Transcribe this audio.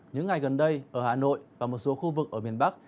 những ngày gần đây ở hà nội và một số khu vực ở miền bắc